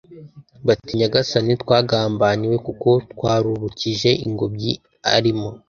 bati"nyagasani twagambaniwe kuko twururukije ingobyi arimo"